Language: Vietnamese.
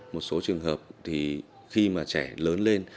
một số trường hợp thì khi mà trẻ lớn lên